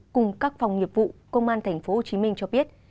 cùng các phòng nghiệp vụ công an tp hcm cho biết